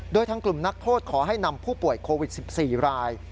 โดยทางกลุ่มนักโทษขอให้นำผู้ป่วยโควิด๑๔ราย